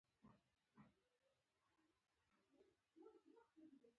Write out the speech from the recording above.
-د پېرېدونکو اړتیاو او غوښتنو پوره کولو کې ښه والی رامنځته کولای شئ